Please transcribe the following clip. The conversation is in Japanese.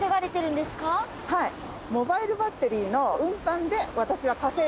モバイルバッテリーの運搬で私は稼いでいます。